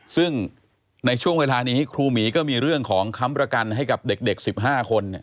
ซึ่งในช่วงเวลานี้ครูหมีก็มีเรื่องของค้ำประกันให้กับเด็ก๑๕คน